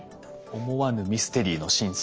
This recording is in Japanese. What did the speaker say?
思わぬミステリーの真相。